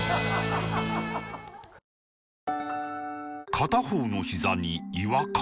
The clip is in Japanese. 片方のひざに違和感